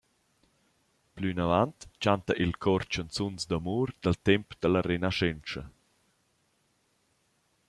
Plünavant chanta il cor chanzuns d’amur dal temp da la renaschentscha.